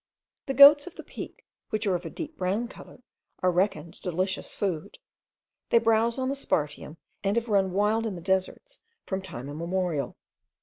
The goats of the peak, which are of a deep brown colour, are reckoned delicious food; they browse on the spartium, and have run wild in the deserts from time immemorial.